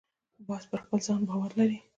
باز پر خپل ځان باور لري